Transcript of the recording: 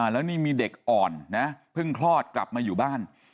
แล้วนี่มีเด็กอ่อนนะเพิ่งคลอดกลับมาอยู่บ้าน